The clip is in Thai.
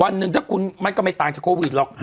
วันหนึ่งไม่ต่างจากโควีดหรอก